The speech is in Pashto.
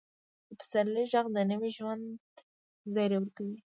د پسرلي ږغ د نوي ژوند زیری ورکوي.